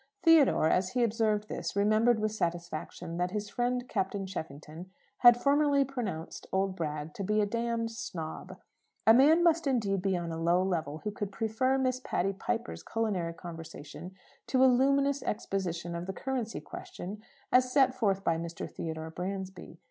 Theodore, as he observed this, remembered with satisfaction that his friend Captain Cheffington had formerly pronounced old Bragg to be a d d snob. A man must indeed be on a low level who could prefer Miss Patty Piper's culinary conversation to a luminous exposition of the currency question as set forth by Mr. Theodore Bransby.